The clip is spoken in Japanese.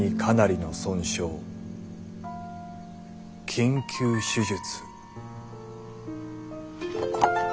「緊急手術」。